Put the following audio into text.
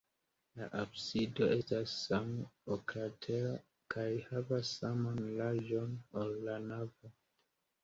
La absido estas same oklatera kaj havas saman larĝon, ol la navo.